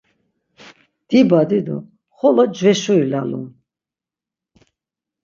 Dibadi do xolo cveşuri lalum.